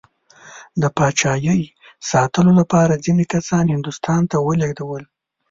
د پاچایۍ ساتلو لپاره ځینې کسان هندوستان ته ولېږدول.